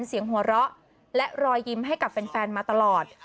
เสียงหัวเราะและรอยยิ้มให้กับแฟนมาตลอด